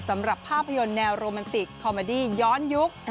สำหรับภาพยนตร์แนวโรแมนติกคอมเมอดี้ย้อนยุค